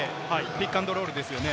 ピックアンドロールですよね。